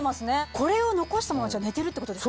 これを残したまま寝てるってことですか？